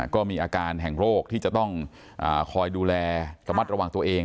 ก็มีอาการแห่งโรคที่จะต้องคอยดูแลระมัดระวังตัวเอง